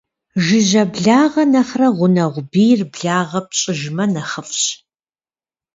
Жыжьэ благъэ нэхърэ гъунэгъу бийр благъэ пщIыжмэ, нэхъыфIщ.